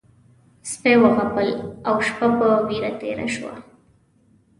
سپي وغپل او شپه په وېره تېره شوه.